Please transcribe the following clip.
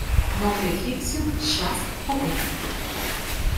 Nombre egipcio: Shas-hotep.